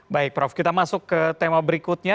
baik prof kita masuk ke tema berikutnya